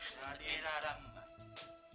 ya ada yang ada enggak